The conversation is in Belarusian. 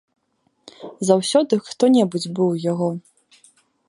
Заўсёды хто-небудзь быў у яго.